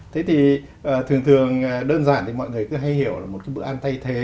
thế thì thường thường đơn giản thì mọi người cứ hay hiểu là một cái bữa ăn thay thế